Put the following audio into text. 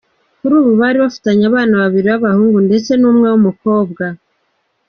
Kuri ubu bari bafitanye abana babiri b’abahungu ndetse n’umwe w’umukobwa.